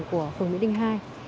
của phường mỹ đỉnh hai